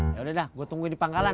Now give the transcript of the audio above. yaudah dah gue tungguin di pangkalan